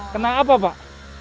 kena apa pak